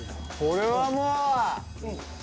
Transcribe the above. これはもう。